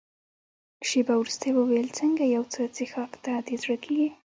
شېبه وروسته يې وویل: څنګه یو څه څیښاک ته دې زړه کېږي؟